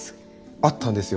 あったんですよ